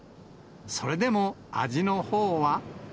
それでも味のほうは。